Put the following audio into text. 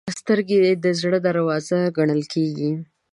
سترګې د زړه دروازه ګڼل کېږي